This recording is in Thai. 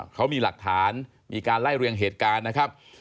เขามีหลักฐานมีการไล่เรียงเหตุการณ์นะครับ